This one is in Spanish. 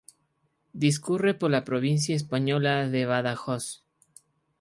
Discurre por la provincia española de Badajoz.